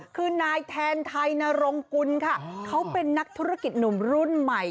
คือนายแทนไทยนรงกุลค่ะเขาเป็นนักธุรกิจหนุ่มรุ่นใหม่